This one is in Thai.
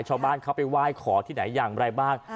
ชาวบ้านเขาไปไหว้ขอที่ไหนอย่างไรบ้าง